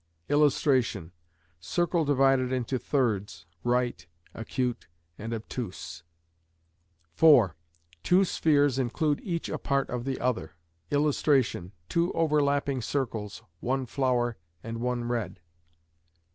[Illustration: Circle divided into thirds "right", "acute", and "obtuse".] (4.) Two spheres include each a part of the other. [Illustration: Two overlapping circles, one "flower" and one "red".